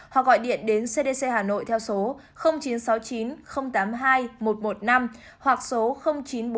họ gọi điện đến cdc hà nội theo số chín trăm sáu mươi chín tám mươi hai một trăm một mươi năm hoặc số chín trăm bốn mươi chín ba trăm chín mươi sáu một trăm một mươi năm